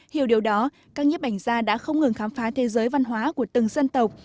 hiểu điều đó các nhếp ảnh gia đã không ngừng khám phá thế giới văn hóa của từng dân tộc